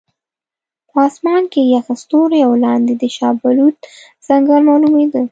په اسمان کې یخ ستوري او لاندې د شاه بلوط ځنګل معلومېده.